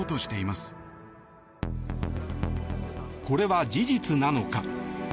これは事実なのか？